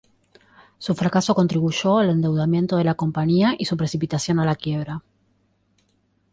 Su fracaso contribuyó al endeudamiento de la compañía y su precipitación a la quiebra.